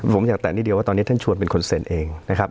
ผมอยากแตะนิดเดียวว่าตอนนี้ท่านชวนเป็นคนเซ็นเองนะครับ